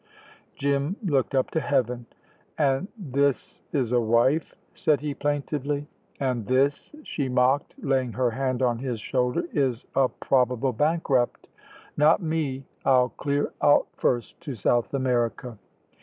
Jim looked up to heaven. "And this is a wife!" said he, plaintively. "And this," she mocked, laying her hand on his shoulder, "is a probable bankrupt!" "Not me. I'll clear out first to South America."